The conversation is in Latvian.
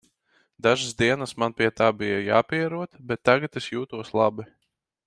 Dažas dienas man pie tā bija jāpierod, bet tagad es jūtos labi.